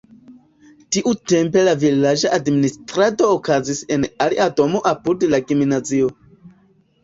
Tiutempe la vilaĝa administrado okazis en alia domo apud la gimnazio.